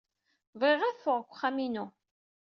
Bɣiɣ ad teffɣed seg uxxam-inu.